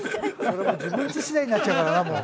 自分ち次第になっちゃうからなもう。